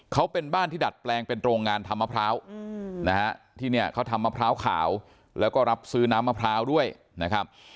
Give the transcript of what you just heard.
เขาเป็นบ้านที่ดัดแปลงเป็นโรงงานทำมะพร้าวนะฮะที่เนี่ยเขาทำมะพร้าวขาวแล้วก็รับซื้อน้ำมะพร้าวด้วยนะครับ